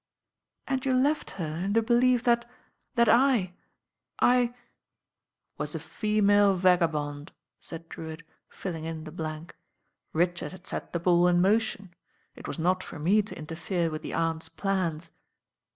, "And you left her in the belief that — that I — I i> "Was a female vagabond," said Drewitt, filling in the blank. "Richard had set the ball in motion, it was n t for me to interfere with the Aunt's plans."